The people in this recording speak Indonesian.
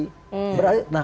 nah kalau tidak